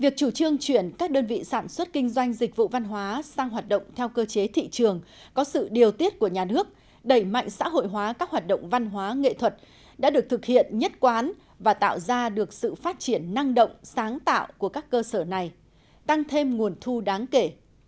việc chủ trương chuyển các đơn vị sản xuất kinh doanh dịch vụ văn hóa sang hoạt động theo cơ chế thị trường có sự điều tiết của nhà nước đẩy mạnh xã hội hóa các hoạt động văn hóa nghệ thuật đã được thực hiện nhất quán và tạo ra được sự phát triển năng động sáng tạo của các cơ sở này tăng thêm nguồn thu đáng kể